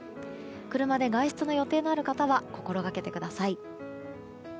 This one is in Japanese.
車で外出の予定のある方は心がけてください。